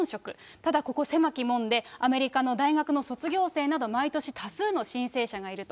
ただ、ここ、狭き門で、アメリカの大学の卒業生など、毎年多数の申請者がいると。